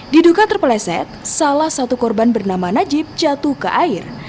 diduga terpeleset salah satu korban bernama najib jatuh ke air